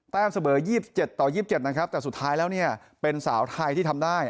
เสมอ๒๗ต่อ๒๗นะครับแต่สุดท้ายแล้วเนี่ยเป็นสาวไทยที่ทำได้